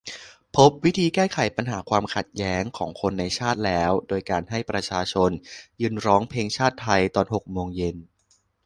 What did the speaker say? พบวิธีการแก้ไขปัญหาความขัดแย้งของคนในชาติแล้ว โดยการให้ประชาชน ยืนร้องเพลงชาติไทยตอนหกโมงเย็น